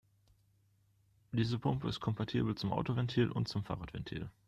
Diese Pumpe ist kompatibel zum Autoventil und zum Fahrradventil.